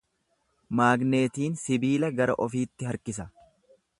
Maagneetiin sibiila gara ofiitti harkisa.